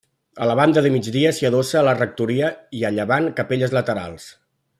A la banda de migdia s'hi adossa la rectoria i a llevant capelles laterals.